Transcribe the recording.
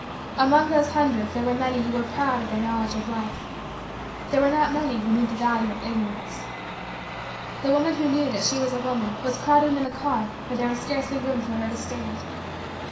Among those hundreds there were many who were proud of their knowledge of life. There were not many who knew the value of Ignorance. The woman who knew that she was a woman was crowded in a car where there was scarcely room for her to stand.